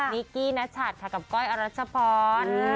นิกกี้นัชัดค่ะกับก้อยอรัชพร